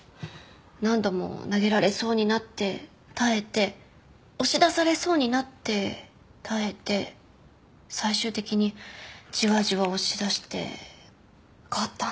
何度も投げられそうになって耐えて押し出されそうになって耐えて最終的にじわじわ押し出して勝ったんです。